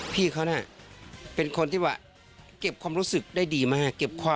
พี่เขาน่ะเป็นคนที่ว่าเก็บความรู้สึกได้ดีมาก